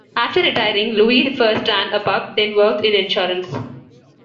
After retiring, Lewis first ran a pub, then worked in insurance.